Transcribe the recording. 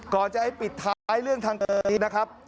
ก่อนจะให้ปิดท้ายเรื่องทางคดีนะครับ